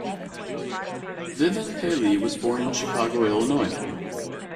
Vivan Paley was born in Chicago, Illinois.